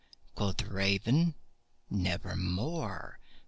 Quoth the Raven, "Nevermore."